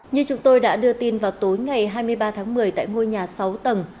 như chúng tôi đã đưa tin vào tối ngày hai mươi ba tháng một mươi tại ngôi nhà sáu tầng